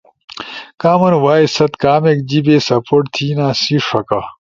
کامن وائس ست کامیک جیِبے سپورٹ تھینا سی ݜکا